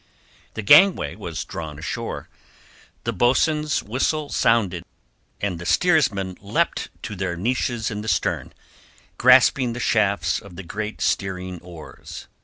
The gangway was drawn ashore, the boatswains whistle sounded, and the steersmen leapt to their niches in the stern, grasping the shafts of the great steering oars.